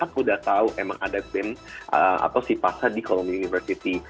aku udah tahu emang ada bem atau sipa di columbia university